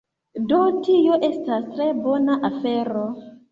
Do, tio estas tre bona afero